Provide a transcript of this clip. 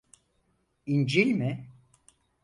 İncil mi?